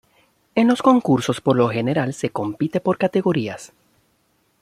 En los concursos por lo general se compite por categorías.